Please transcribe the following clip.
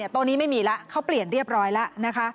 โต๊ะนี้ไม่มีแล้วเขาเปลี่ยนเรียบร้อยแล้วนะคะ